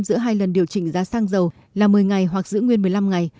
giữa hai lần điều chỉnh giá xăng dầu là một mươi ngày hoặc giữ nguyên một mươi năm ngày